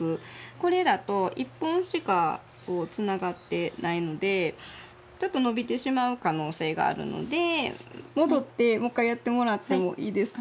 これだと１本しかつながってないのでちょっと伸びてしまう可能性があるので戻ってもう一回やってもらってもいいですか？